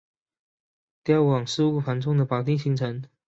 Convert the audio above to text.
调往事务繁重的保定新城。